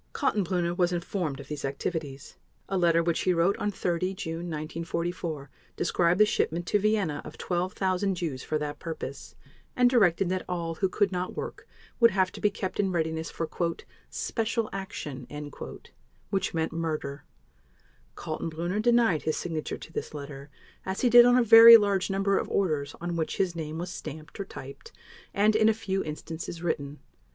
Kaltenbrunner was informed of these activities. A letter which he wrote on 30 June 1944 described the shipment to Vienna of 12,000 Jews for that purpose, and directed that all who could not work would have to be kept in readiness for "special action," which meant murder. Kaltenbrunner denied his signature to this letter, as he did on a very large number of orders on which his name was stamped or typed, and, in a few instances, written.